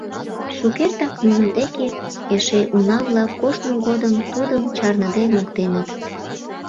Шукертак, нунын деке эше уна-влак коштмо годым, тудым чарныде моктеныт.